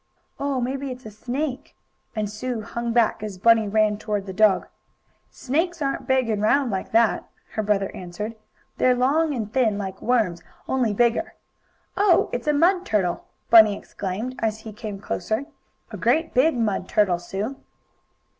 "Oh, maybe it's a snake!" and Sue hung back as Bunny ran toward the dog. "Snakes aren't big and round like that," her brother answered. "They're long and thin, like worms, only bigger." "Oh, it's a mud turtle!" Bunny exclaimed as he came closer, "A great big mud turtle, Sue."